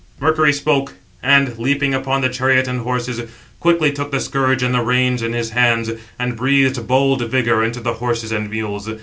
Mercury spoke, and, leaping upon the chariot and horses, quickly took the scourge and the reins in his hands, and breathed bold vigour into the horses and mules.